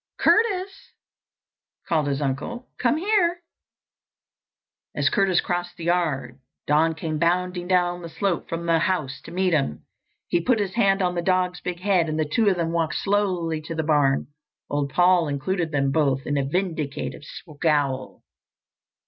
"Curtis," called his uncle, "come here." As Curtis crossed the yard, Don came bounding down the slope from the house to meet him. He put his hand on the dog's big head and the two of them walked slowly to the barn. Old Paul included them both in a vindictive scowl.